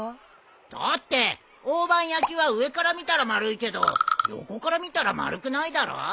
だって大判焼きは上から見たら丸いけど横から見たら丸くないだろ。